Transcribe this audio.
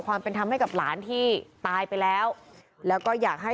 ความเป็นธรรมให้กับหลานที่ตายไปแล้วแล้วก็อยากให้